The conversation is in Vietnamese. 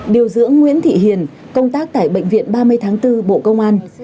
điều dưỡng nguyễn thị hiền công tác tại bệnh viện ba mươi tháng bốn bộ công an